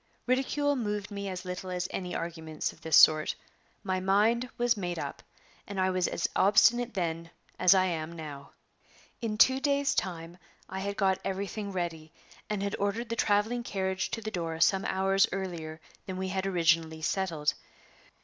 Ridicule moved me as little as any arguments of this sort; my mind was made up, and I was as obstinate then as I am now. In two days' time I had got everything ready, and had ordered the traveling carriage to the door some hours earlier than we had originally settled.